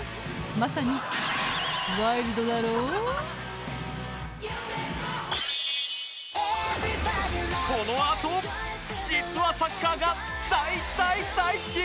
まさにこのあと実はサッカーが大大大好き！